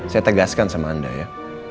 saya tegaskan sama anda ya